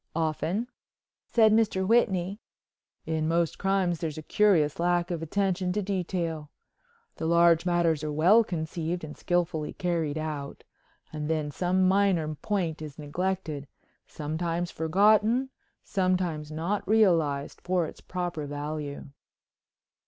"Often," said Mr. Whitney. "In most crimes there's a curious lack of attention to detail. The large matters are well conceived and skillfully carried out. And then some minor point is neglected, sometimes forgotten, sometimes not realized for its proper value."